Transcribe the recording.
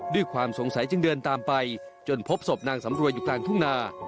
ด้วยความสงสัยจึงเดินตามไปจนพบศพนางสำรวยอยู่กลางทุ่งนา